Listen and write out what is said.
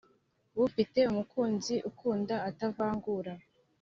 ufite umukunzi ukunda atavangura